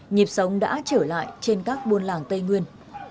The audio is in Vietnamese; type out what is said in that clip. nhịp sống đã trở lại trên các buôn làng tây nguyên